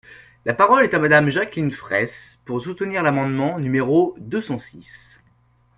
La parole est à Madame Jacqueline Fraysse, pour soutenir l’amendement numéro deux cent six.